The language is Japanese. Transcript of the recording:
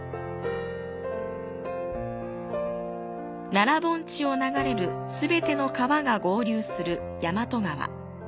奈良盆地を流れるすべての川が合流する大和川。